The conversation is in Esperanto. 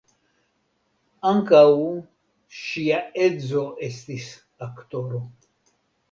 Ankaŭ ŝia edzo estis aktoro.